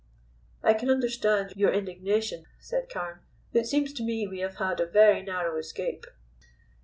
"I can understand your indignation," said Carne. "It seems to me we have had a very narrow escape."